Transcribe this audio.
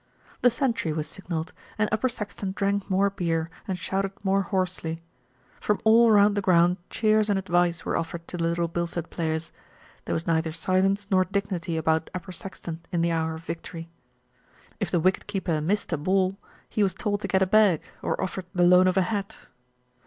The century was signalled, and Upper Saxton drank more beer and shouted more hoarsely. From all round the ground cheers and advice were offered to the Little Bilstead players. There was neither silence nor dignity about Upper Saxton in the hour of victory. If the wicket keeper missed a ball, he was told to get a bag, or offered the loan of a hat.